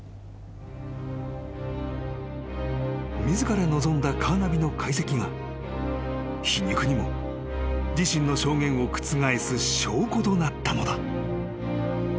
［自ら望んだカーナビの解析が皮肉にも自身の証言を覆す証拠となったのだ］